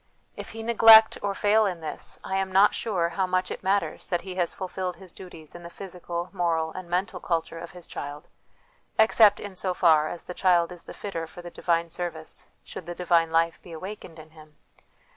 If he neglect or fail in this, I am not sure how much it matters that he has fulfilled his duties in the physical, moral, and mental culture of his child, except in so far as the child is the fitter for the divine service should the divine life be awakened in him.